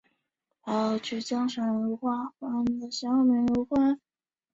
没有明确史料